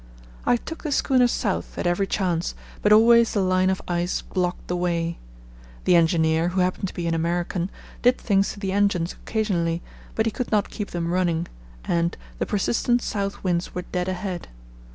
I took the schooner south at every chance, but always the line of ice blocked the way. The engineer, who happened to be an American, did things to the engines occasionally, but he could not keep them running, and, the persistent south winds were dead ahead.